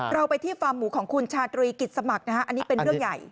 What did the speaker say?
เราไปที่ฟาร์มหมูของคุณชาตรีกิจสมัครนะฮะอันนี้เป็นเรื่องใหญ่